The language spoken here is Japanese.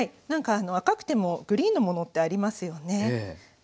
なんか赤くてもグリーンのものってありますよね。